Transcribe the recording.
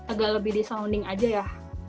agak lebih di sounding aja ya